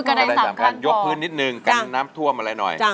กระดายสามขั้นนิดนึงกันน้ำทั่วมาเลยหน่อย